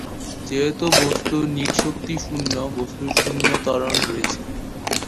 যেহেতু বস্তুর নিট শক্তি শূন্য, বস্তুর শূন্য ত্বরণ রয়েছে।